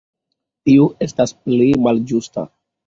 Tio estas plej malĝusta.